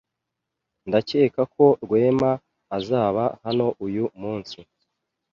Ndakeka ko Rwema azaba hano uyu munsi.